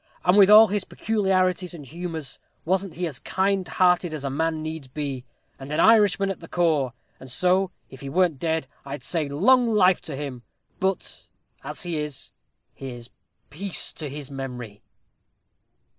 And with all his peculiarities and humors, wasn't he as kind hearted a man as needs be? and an Irishman at the core? And so, if he wern't dead, I'd say long life to him! But as he is, here's peace to his memory!"